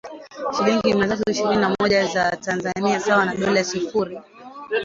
shilingi mia tatu ishirini na mmoja za Tanzania sawa na dola sifuri